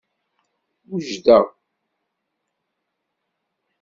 Wejdeɣ.